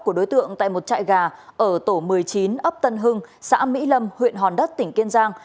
của đối tượng tại một trại gà ở tổ một mươi chín ấp tân hưng xã mỹ lâm huyện hòn đất tỉnh kiên giang